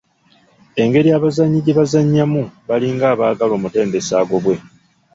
Engeri abazannyi gye bazannyamu balinga abaagala omutendesi agobwe.